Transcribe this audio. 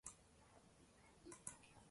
She’r dardida bemor bo’l.